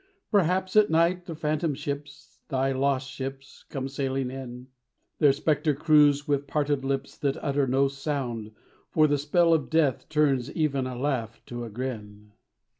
Perhaps at night the phantom ships Thy lost ships come sailing in; Their spectre crews with parted lips That utter no sound, for the spell of death Turns even a laugh to a grin.